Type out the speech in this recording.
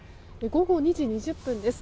午後２時２０分です。